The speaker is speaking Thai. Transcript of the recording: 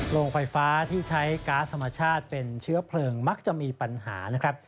โรงไฟฟ้าที่ใช้ก๊าซธรรมชาติเป็นเชื้อเพลิงมักจะมีปัญหานะครับ